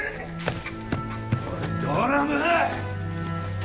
おいドラム！